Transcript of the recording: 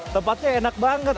tempatnya enak banget